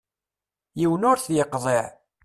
Yiwen ur t-yeqḍiɛ.